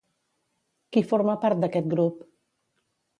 Qui forma part d'aquest grup?